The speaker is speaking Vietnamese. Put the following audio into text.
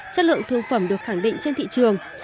chất lượng thương phẩm được khẳng định trên thị trường